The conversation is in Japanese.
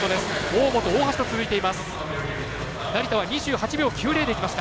大本、大橋と続いています。